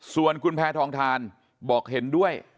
ส่วนคุณแพทองทานบอกเห็นด้วย